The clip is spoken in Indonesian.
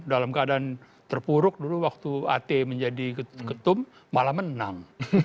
dalam keadaan terpuruk dulu waktu at menjadi ketum malah menang